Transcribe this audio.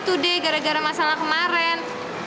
itu deh gara gara masalah kemaren